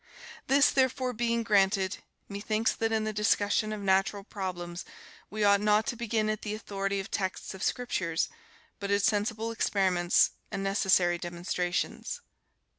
This therefore being granted, methinks that in the discussion of natural problems we ought not to begin at the authority of texts of Scriptures but at sensible experiments and necessary demonstrations.